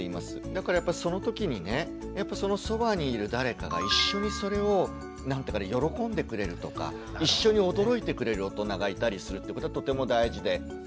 だからやっぱりそのときにねやっぱそのそばにいる誰かが一緒にそれを喜んでくれるとか一緒に驚いてくれる大人がいたりするってことはとても大事で。